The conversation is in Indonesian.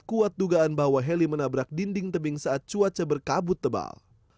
kuat dugaan bahwa heli menabrak dinding tebing saat cuaca berkabut tebal